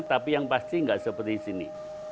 tapi yang pasti gak seperti ini